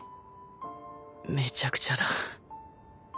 めちゃくちゃだ。